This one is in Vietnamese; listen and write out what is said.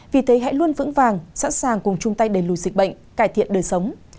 vì thế hãy luôn vững vàng sẵn sàng cùng chung tay đẩy lùi dịch bệnh cải thiện đời sống